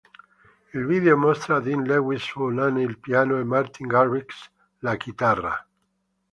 Il video mostra Dean Lewis suonane il piano e Martin Garrix la chitarra.